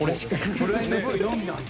フライングＶのみなんだ。